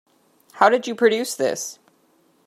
How did you produce this?